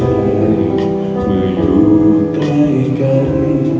ที่อยู่ใกล้กัน